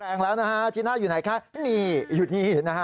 แรงแล้วนะฮะจีน่าอยู่ไหนคะไม่มีอยู่นี่นะฮะ